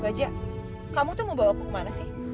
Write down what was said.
bajak kamu tuh mau bawa aku kemana sih